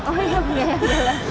oh iya berani